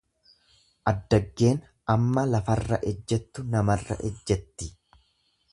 Addaggeen amma lafarra ejjettu namarra ejjetti.